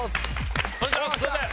すみません！